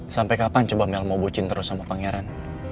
sampai kapan coba mel mau bocin terus sama pangeran